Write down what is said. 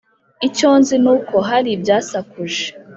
Icyonzi nuko hari ibyasakuje